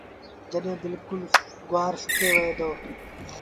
جڏهيݩ بلڪُل گُوآر سُڪي وهي دو۔